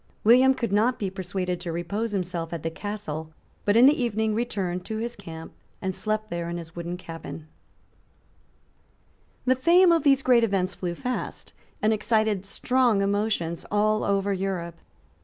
William could not be persuaded to repose himself at the Castle, but in the evening returned to his camp, and slept there in his wooden cabin, The fame of these great events flew fast, and excited strong emotions all over Europe.